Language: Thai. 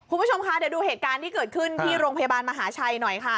คุณผู้ชมคะเดี๋ยวดูเหตุการณ์ที่เกิดขึ้นที่โรงพยาบาลมหาชัยหน่อยค่ะ